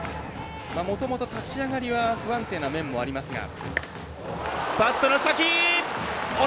もともと立ち上がりは不安定な面もありますが。